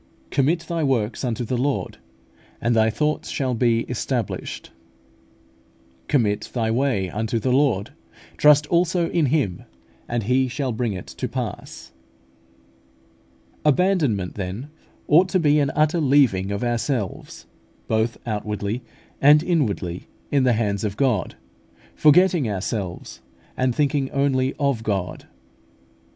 6). "Commit thy works unto the Lord, and thy thoughts shall be established" (Prov. xvi. 3). "Commit thy way unto the Lord; trust also in Him; and He shall bring it to pass" (Ps. xxxvii. 5). Abandonment, then, ought to be an utter leaving of ourselves, both outwardly and inwardly, in the hands of God, forgetting ourselves, and thinking only of God.